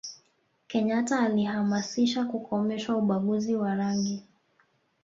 kenyata alihamasisha kukomeshwa ubaguzi wa rangi